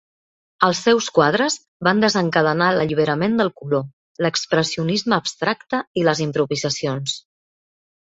Els seus quadres van desencadenar l'alliberament del color, l'expressionisme abstracte i les improvisacions.